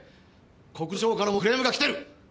国土省からもクレームが来てる！